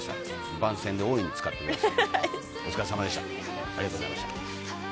番宣で大いに使ってください。